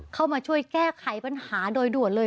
เข้ามาช่วยแก้ไขปัญหาโดยด่วนเลย